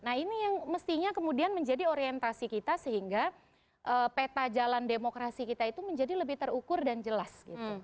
nah ini yang mestinya kemudian menjadi orientasi kita sehingga peta jalan demokrasi kita itu menjadi lebih terukur dan jelas gitu